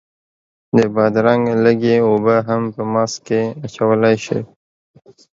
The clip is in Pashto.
د بادرنګ لږې اوبه هم په ماسک کې اچولی شئ.